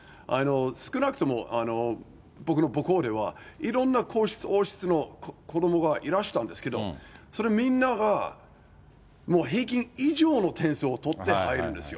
少なくとも、ぼくの母校では、いろんな皇室、王室の子どもがいらしたんですけれども、それ、みんながもう平均以上の点数を取って入るんですよ。